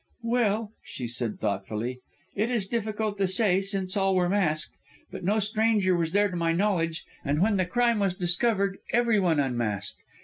"Well," she said thoughtfully, "it is difficult to say, since all were masked. But no stranger was there to my knowledge, and when the crime was discovered everyone unmasked.